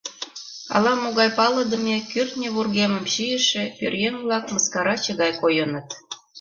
Ала-могай палыдыме, кӱртньӧ вургемым чийыше пӧръеҥ-влак мыскараче гай койыныт.